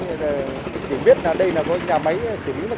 tức là mình không biết là đây là một cái nhà máy xử lý nước thải đúng không